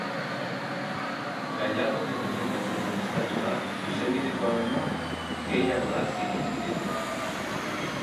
Gallardonek defendatzen duen Estatua, zuzenbidekoa baino, gehiago da zirinbidekoa.